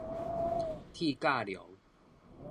鐵甲龍